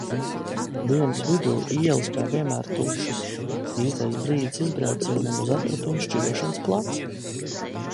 Dienas vidū ielas kā vienmēr tukšas, īstais brīdis izbraucienam uz atkritumu šķirošanas placi.